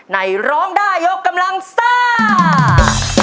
ในร้องด้ายกำลังซ่า